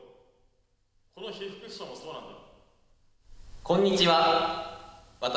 この被服支廠もそうなんだ